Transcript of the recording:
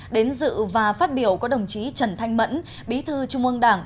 đến dự và phát biểu có đồng chí trần thanh mẫn bí thư trung ương đảng